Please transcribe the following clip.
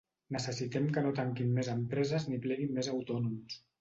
Necessitem que no tanquin més empreses ni pleguin més autònoms.